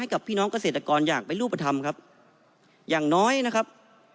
ให้กับพี่น้องเกษตรกรอยากไปรูปทำครับอย่างน้อยนะครับ